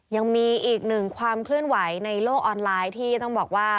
ยังมีอีกหนึ่งความเคลื่อนไหวในโลกออนไลน์ที่ต้องบอกว่า